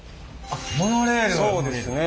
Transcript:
あっそうですね。